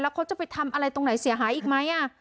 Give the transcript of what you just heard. เขาจะไปทำอะไรตรงไหนเสียหายอีกไหม